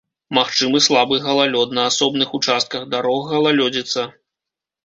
Магчымы слабы галалёд, на асобных участках дарог галалёдзіца.